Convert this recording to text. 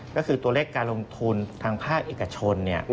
ก็คือตัวเลขการลงทุนทางภาคเอกชน